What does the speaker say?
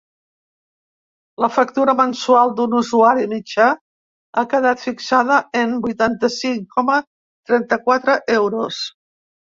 La factura mensual d’un usuari mitjà ha quedat fixada en vuitanta-cinc coma trenta-quatre euros.